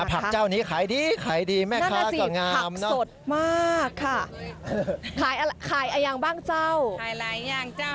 ผักเจ้านี้ขายดีค่ะแม่คะก็งาม